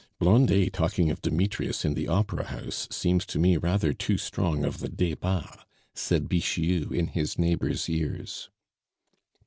"Blondet talking of Demetrius in the opera house seems to me rather too strong of the Debats," said Bixiou in his neighbor's ears.